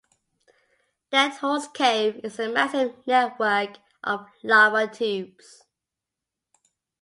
Deadhorse Cave is a massive network of lava tubes.